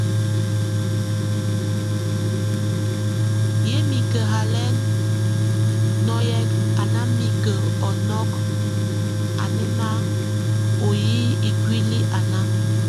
Yè mike halɛn nɔ́yek a na mik ɔnɔk, a námɛna o yʼ íkuli a na.